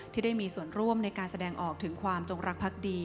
ที่ได้มีส่วนร่วมในการแสดงออกถึงความจงรักพักดี